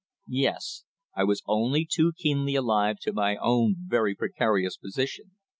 Yes. I was only too keenly alive to my own very precarious position.